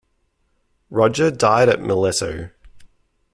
Roger died at Mileto.